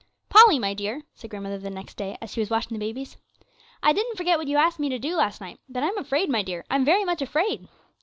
'Polly, my dear,' said grandmother the next day, as she was washing the babies, 'I didn't forget what you asked me to do last night; but I'm afraid, my dear, I'm very much afraid.'